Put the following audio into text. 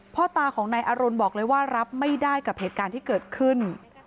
พ่อตาของนายอรุณบอกเลยว่ารับไม่ได้กับเหตุการณ์ที่เกิดขึ้น